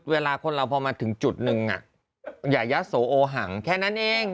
เวลาคนเราพอมาถึงจุดหนึ่งอย่ายะโสโอหังแค่นั้นเอง